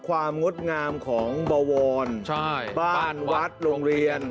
งดงามของบวรบ้านวัดโรงเรียน